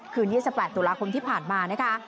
๒๘ตุลาคมที่ผ่านมานะคะ